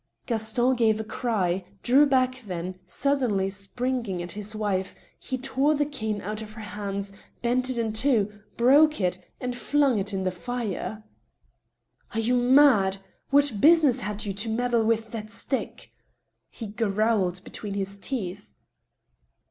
Gaston gave a cry, drew back, then, suddenly springing at his wife, he tore the cane out of her hands, bent it in two, broke it, and flung it in the fire. " Are you mad ?... What business had you to meddle with that stick ?" he growled between his teeth.